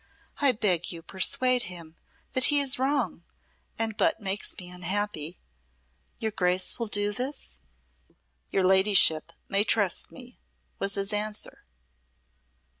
I beg you persuade him that he is wrong and but makes me unhappy. Your Grace will do this?" "Your Ladyship may trust me," was his answer.